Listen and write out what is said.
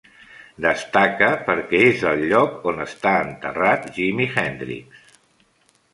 Destaca perquè és el lloc on està enterrat Jimi Hendrix.